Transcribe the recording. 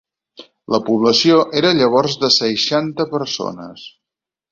La població era llavors de seixanta persones.